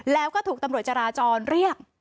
แล้วก็ถูกตำรวจจราจรเรียก